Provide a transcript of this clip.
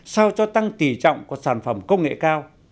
sao cho tăng tỉ trọng của sản phẩm công nghệ cao